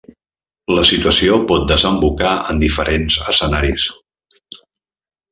La situació pot desembocar en diferents escenaris.